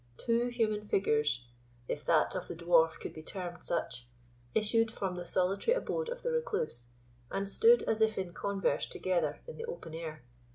Two human figures (if that of the Dwarf could be termed such) issued from the solitary abode of the Recluse, and stood as if in converse together in the open air.